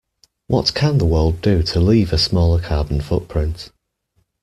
What can the world do to leave a smaller carbon footprint?